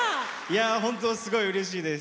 本当、すごいうれしいです。